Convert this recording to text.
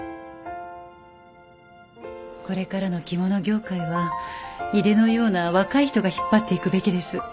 これからの着物業界は井手のような若い人が引っ張っていくべきです